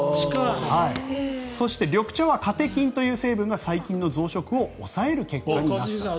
そして緑茶はカテキンという成分が最近の増殖を抑える結果になった。